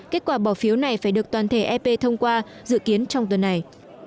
kết quả bỏ phiếu này phải được toàn thể ep thông qua dự kiến trong tuần này